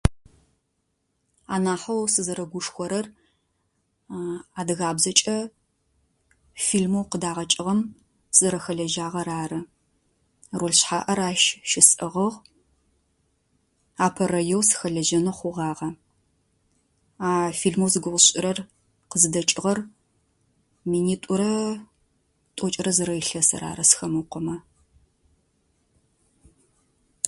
Анахьоу сызэрыгушхорэр адыгабзэкӏэ фильмэу къыдагъэкӏыгъэм сызэрэхэлэжьагъэр ары. Роль шъхьаӏэр ащ щысӏыгъыгъ. Апэрэеу сыхэлэжьэнэу хъугъагъэ. А фильмэу зыгугъу сшӏырэр къызыдэкӏыгъэр минитӏурэ тӏокӏырэ зырэ илъэсыр ары сыхэмыукъомэ.